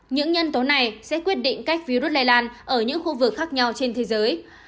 những nhân tố này sẽ quyết định cách virus lây lan ở những khu vực khác nhau trên thế giới